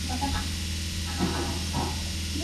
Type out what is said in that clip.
Sigue siendo una de las esperanzas futbolísticas en su país.